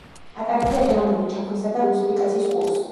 ატარებდა ეროვნული ჩაგვრისა და რუსიფიკაციის კურსს.